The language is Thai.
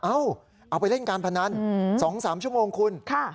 เอ้าเอาไปเล่นการพนันอืมสองสามชั่วโมงคุณค่ะ